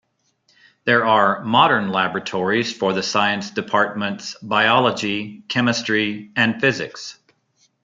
There are modern laboratories for the science departments: Biology, Chemistry and Physics.